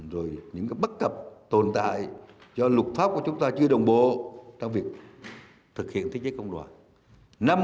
rồi những bất cập tồn tại do lục pháp của chúng ta chưa đồng bộ trong việc thực hiện thiết chế công đoàn